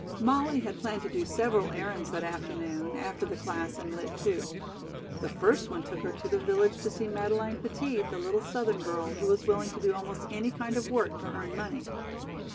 Molly had planned to do several errands that afternoon, after the class in Lit. II. The first one took her to the village to see Madeleine Petit, the little Southern girl, who was willing to do almost any kind of work to earn money.